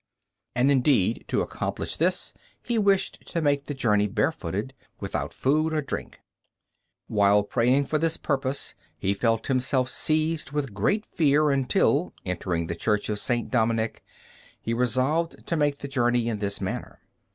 And indeed to accomplish this he wished to make the journey barefooted, without food or drink. While praying for this purpose, he felt himself seized with great fear until, entering the Church of St. Dominic, he resolved to make the journey in this manner.